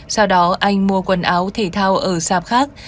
sau đó anh mua quần áo thể thao ở sạp khác